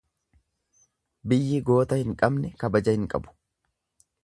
Biyyi goota hin qabne kabaja hin qabdu.